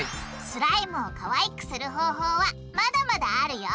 スライムをかわいくする方法はまだまだあるよ！